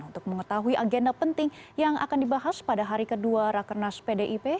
untuk mengetahui agenda penting yang akan dibahas pada hari kedua rakernas pdip